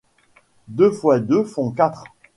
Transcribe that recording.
Deux fois deux font quatre.